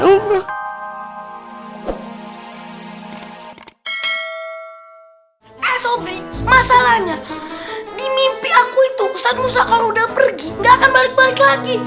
eh sobri masalahnya di mimpi aku itu ustadz musa kalau udah pergi gak akan balik balik lagi